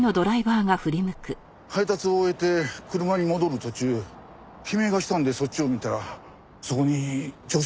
配達を終えて車に戻る途中悲鳴がしたんでそっちを見たらそこに女性が。